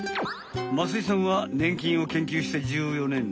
増井さんはねん菌を研究して１４年。